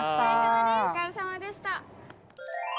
おつかれさまでした。